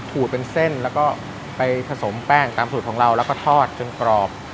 ขูดเป็นเส้นแล้วก็ไปผสมแป้งตามสูตรของเราแล้วก็ทอดจนกรอบ